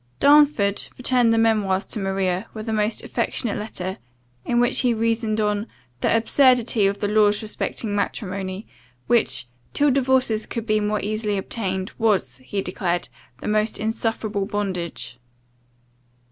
CHAPTER 15 DARNFORD returned the memoirs to Maria, with a most affectionate letter, in which he reasoned on "the absurdity of the laws respecting matrimony, which, till divorces could be more easily obtained, was," he declared, "the most insufferable bondage."